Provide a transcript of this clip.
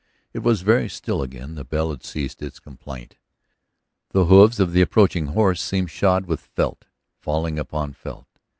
It was very still again; the bell had ceased its complaint; the hoofs of the approaching horse seemed shod with felt, falling upon felt.